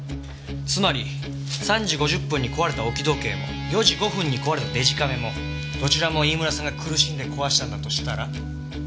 つまり３時５０分に壊れた置き時計も４時５分に壊れたデジカメもどちらも飯村さんが苦しんで壊したんだとしたら？